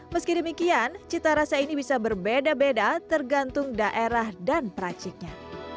meski demikian cita rasa ini bisa berbeda beda tergantung daerah dan peraciknya